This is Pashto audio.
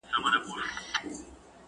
زه د سپي له سترګو څخه حیا کوم.